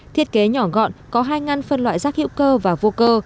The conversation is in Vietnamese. thiết kế nhỏ gọn có hai ngăn phân loại rác hữu cơ và vô cơ